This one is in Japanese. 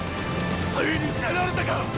ついに出られたか！